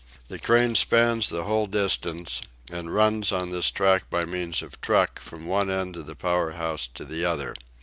The crane spans the whole distance, and runs on this track by means of trucks from one end of the power house to the other.